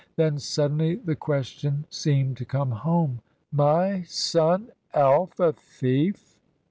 Then suddenly the question seemed to come home. "My son Alf a thief?